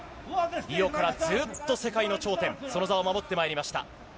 リオからずっと世界の頂点その座を守ってまいりました。